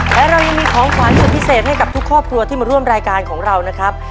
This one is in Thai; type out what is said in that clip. และเรายังมีของขวัญสุดพิเศษให้กับทุกครอบครัวที่มาร่วมรายการของเรานะครับ